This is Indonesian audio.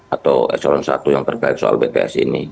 atau eksternal satu yang terkait soal bts ini